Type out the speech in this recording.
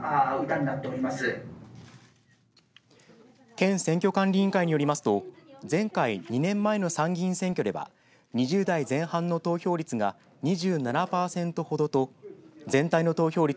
県選挙管理委員会によりますと前回２年前の参議院選挙では２０代前半の投票率が２７パーセントほどと全体の投票率